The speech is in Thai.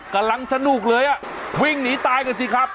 กำลังสนุกเลยอ่ะวิ่งหนีตายกันสิครับ